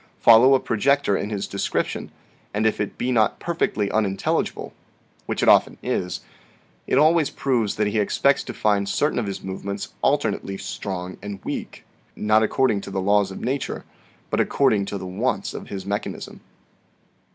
Follow a projector in his description, and if it be not perfectly unintelligible, which it often is, it always proves that he expects to find certain of his movements alternately strong and weak not according to the laws of nature but according to the wants of his mechanism.